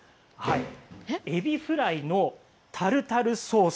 えびフライのタルタルソース。